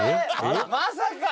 「まさか？」